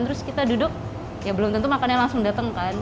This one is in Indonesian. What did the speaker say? terus kita duduk ya belum tentu makannya langsung datang kan